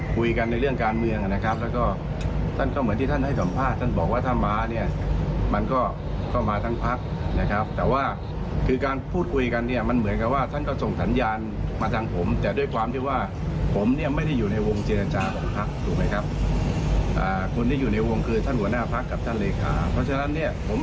พยายามให้พักทราบว่าอ่าทิศทางมันเป็นอย่างนี้ท่านรอดเดชน์